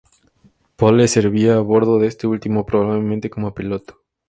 Poole servía a bordo de este último, probablemente como piloto.